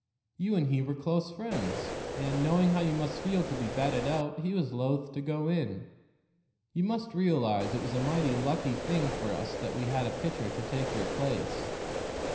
You and he were close friends, and, knowing how you must feel to be batted out, he was loath to go in. You must realize it was a mighty lucky thing for us that we had a pitcher to take your place.